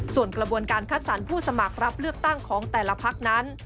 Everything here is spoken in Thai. ส่วนกระบวนการคัดสรรผู้สมัครรับเลือกตั้งของแต่ละพักนั้น